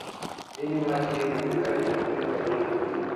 ځینې محصلین د مقالې لیکلو تمرین کوي.